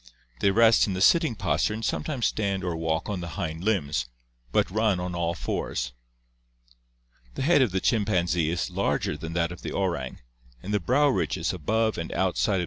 They rest in the sitting posture and sometimes stand or walk on the hind limbs, but run on all fours. The head of the chimpanzee is larger than that of the orang and the brow ridges above and outside of the orbits are Plate XXIX.